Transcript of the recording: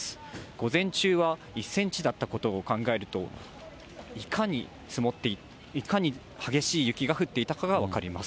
午前中は１センチだったことを考えると、いかに激しい雪が降っていたかが分かります。